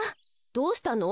どうしたの？